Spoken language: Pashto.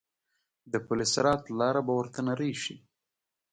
د پل صراط لاره به ورته نرۍ شي.